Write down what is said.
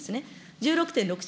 １６．６兆